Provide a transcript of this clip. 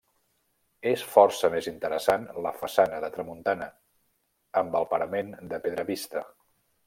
És força més interessant la façana de tramuntana, amb el parament de pedra vista.